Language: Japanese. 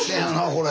これ。